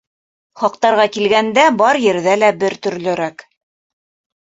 Хаҡтарға килгәндә, бар ерҙә лә бер төрлөрәк.